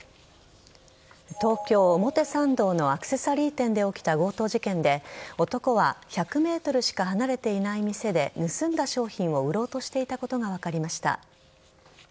東京・表参道のアクセサリー店で起きた強盗事件で男は１００ｍしか離れていない店で盗んだ商品を売ろうとしていたことが分かりました。